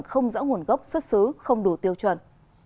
không rõ nguồn gốc xuất xứ không đủ tiêu chuẩn